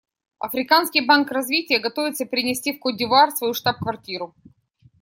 Африканский банк развития готовится перенести в Кот-д'Ивуар свою штаб-квартиру.